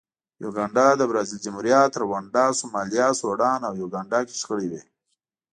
نایجریا، د برازاویل جمهوریت، رونډا، سومالیا، سوډان او یوګانډا کې شخړې وې.